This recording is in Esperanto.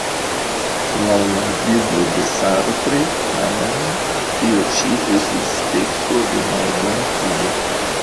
Laŭ la vido de Sartre, tamen, tio ĉi estus speco de malbona fido.